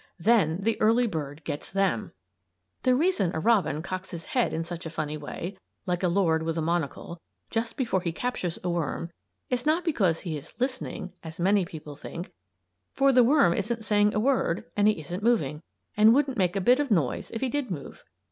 Then the early bird gets them! The reason a robin cocks his head in such a funny way like a lord with a monocle just before he captures a worm, is not because he is listening, as many people think; for the worm isn't saying a word and he isn't moving, and wouldn't make a bit of noise if he did move.